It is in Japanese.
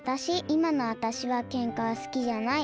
いまのわたしはケンカすきじゃない。